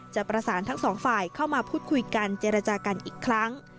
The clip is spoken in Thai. จะประสานทั้งสองฝ่ายเข้ามาพูดคุยกันเจรจากันอีกครั้ง